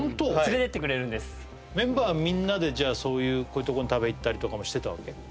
連れてってくれるんですメンバーみんなでじゃあそういうこういうとこに食べ行ったりとかもしてたわけ？